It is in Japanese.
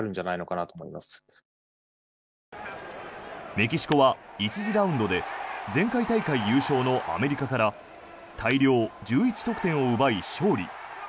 メキシコは１次ラウンドで前回大会優勝のアメリカから大量１１得点を奪い勝利。